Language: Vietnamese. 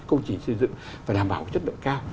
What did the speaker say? công trình xây dựng và đảm bảo chất lượng cao